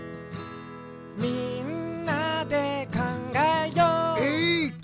「みんなでかんがえよう」エー！